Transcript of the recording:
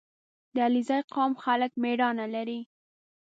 • د علیزي قوم خلک مېړانه لري.